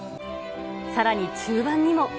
さらに中盤にも。